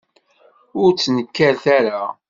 Ur ttnekkaret ara.